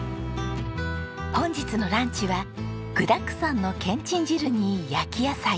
本日のランチは具だくさんのけんちん汁に焼き野菜